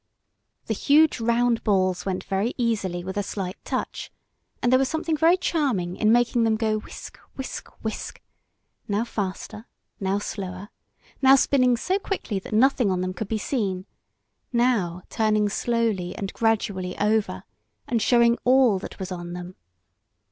The huge round balls went very easily with a slight touch, and there was something very charming in making them go whisk, whisk, whisk; now faster, now slower, now spinning so quickly that nothing on them could be seen, now turning slowly and gradually over and showing all that was on them.